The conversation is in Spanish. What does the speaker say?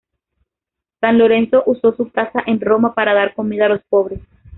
San Lorenzo usó su casa en Roma para dar comida a los pobres.